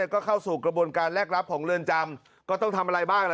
ก็เข้าสู่กระบวนการแลกรับของเรือนจำก็ต้องทำอะไรบ้างล่ะ